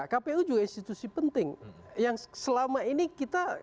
kpu juga institusi penting yang selama ini kita